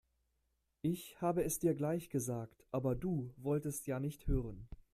Ich habe es dir gleich gesagt, aber du wolltest ja nicht hören.